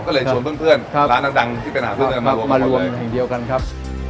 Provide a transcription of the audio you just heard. ก็เลยชวนเพื่อนเพื่อนครับร้านนักดังที่เป็นอาหารเพื่อนเพื่อนมารวมกันเลยมารวมอย่างเดียวกันครับ